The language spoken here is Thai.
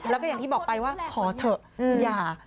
แล้วก็อย่างที่บอกไปว่าขอเถอะอย่า